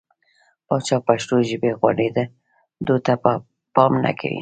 پاچا پښتو ژبې غوړېدو ته پام نه کوي .